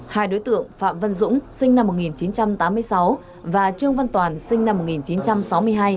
hai đối tượng phạm văn dũng sinh năm một nghìn chín trăm tám mươi sáu và trương văn toàn sinh năm một nghìn chín trăm sáu mươi hai